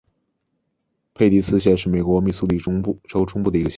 佩蒂斯县是美国密苏里州中部的一个县。